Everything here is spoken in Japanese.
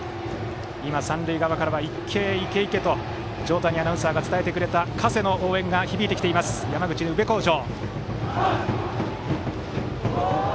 今、三塁側からはいけいけ！と条谷アナウンサーが伝えてくれた「加勢」の応援が響いてきている山口・宇部鴻城。